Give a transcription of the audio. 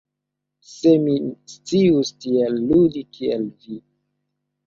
Se mi scius tiel ludi, kiel Vi!